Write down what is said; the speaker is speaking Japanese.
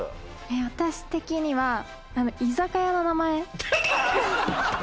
私的には居酒屋の名前。